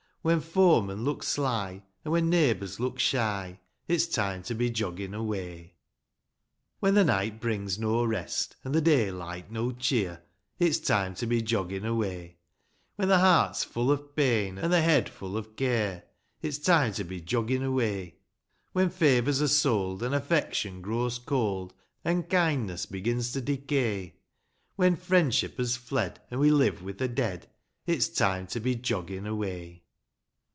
When foemen look sly, an' when neighbours look shy, It's time to be joggin' away. IV. When the night brings no rest, an' the daylight no cheer, It's time to be joggin' away ; When the heart's full of pain, an' the head full of care, It's time to be joggin' away j When favours are sold, an' affection grows cold, An' kindness begins to decay ; When friendship has fled, an' we live with the dead. It's time to be joggin' away.